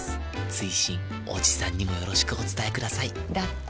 追伸おじさんにもよろしくお伝えくださいだって。